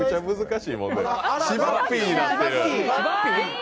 しばッピーになってる！